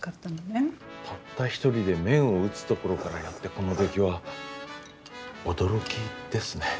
たった一人で麺を打つところからやってこの出来は驚きですね。